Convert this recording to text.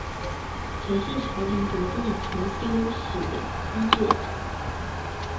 陈氏朝廷着重修史的工作。